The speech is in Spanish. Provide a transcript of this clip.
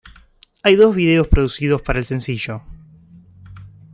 Hay dos videos producidos para el sencillo.